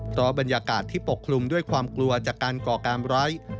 เพราะบรรยากาศที่ปกคลุมด้วยความกลัวจากการก่อการร้าย